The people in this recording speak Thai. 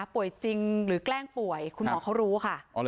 จริงหรือแกล้งป่วยคุณหมอเขารู้ค่ะ